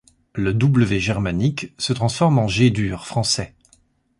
Le w germanique se transforme en g dur français.